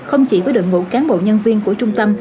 không chỉ với đội ngũ cán bộ nhân viên của trung tâm